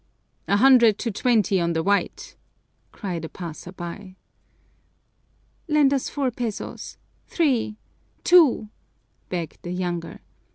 "A hundred to twenty on the white!" cried a passer by. "Lend us four pesos, three, two," begged the younger.